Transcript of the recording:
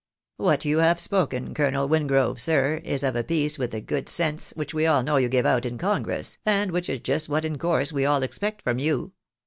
" What you have spoken. Colonel Wingrove, sir, is of a piece with the good sense which we all know you give out in congress, and which is just what in course we all expect from you.